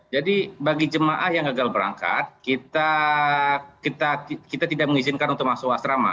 jadi bagi jemaah yang gagal berangkat kita tidak mengizinkan untuk masuk wasrama